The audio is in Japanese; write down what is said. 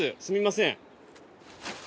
すみません。